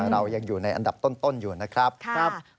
เรายังอยู่ในอันดับต้นอยู่นะครับ